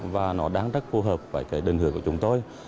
và nó đang rất phù hợp với cái đường hướng của chúng tôi